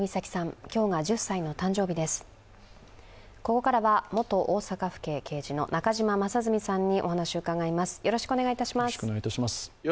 ここからは元大阪府警刑事の中島正純さんにお話を伺います。